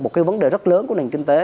một cái vấn đề rất lớn của nền kinh tế